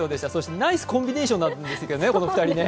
ナイスコンビネーションでしたよね、この２人。